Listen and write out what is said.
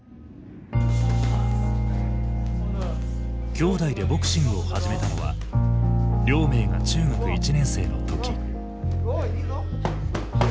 兄弟でボクシングを始めたのは亮明が中学１年生の時。